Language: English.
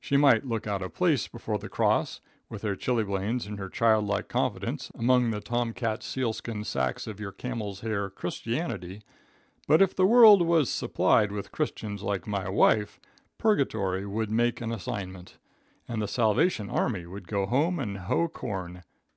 She might look out of place before the cross, with her chilblains and her childlike confidence, among the Tom cat sealskin sacques of your camel's hair Christianity, but if the world was supplied with Christians like my wife, purgatory would make an assignment, and the Salvation Army would go home and hoe corn.